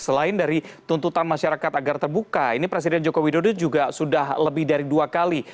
selain dari tuntutan masyarakat agar terbuka ini presiden joko widodo juga sudah lebih dari dua kali